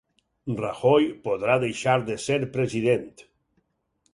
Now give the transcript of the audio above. Rajoy podrà deixar de ser president